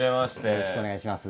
よろしくお願いします。